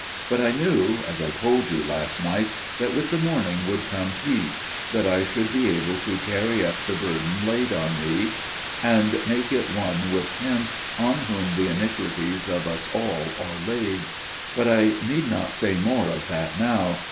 But I knew, as I told you last night, that with the morning would come peace––that I should be able to carry up the burden laid on me, and make it one with Him on Whom the iniquities of us all are laid. But I need not say more of that now.